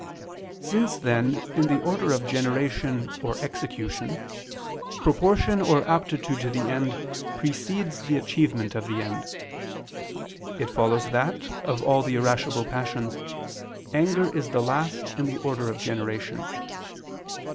Since then in the order of generation or execution, proportion or aptitude to the end precedes the achievement of the end; it follows that, of all the irascible passions, anger is the last in the order of generation.